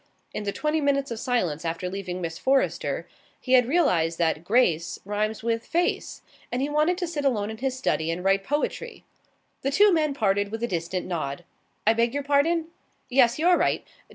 In the twenty minutes of silence after leaving Miss Forrester he had realized that "Grace" rhymes with "face", and he wanted to sit alone in his study and write poetry. The two men parted with a distant nod. I beg your pardon? Yes, you are right.